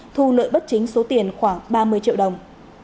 thu lợi bất chính số tiền khoảng ba mươi triệu đồng